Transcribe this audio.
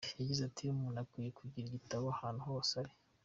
Yagize ati “Umuntu akwiye kugira igitabo ahantu hose ari.